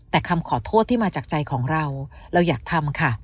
แต่คำขอโทษที่มาจากใจของเราเราอยากทำค่ะ